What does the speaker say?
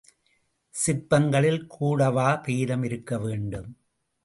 சிற்பங்களில் கூடவா பேதம் இருக்க வேண்டும்.